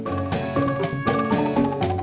tasik tasik tasik